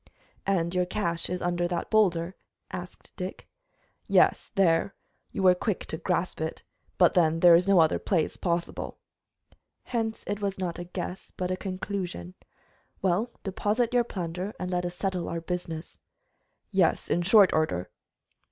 "And your cache is under that boulder?" asked Dick. "Yes, there. You were quick to guess it But, then, there is no other place possible." "Hence it was not a guess, but a conclusion. Well, deposit your plunder and let us settle our business." "Yes, in short order."